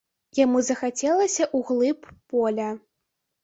Яму захацелася ў глыб поля.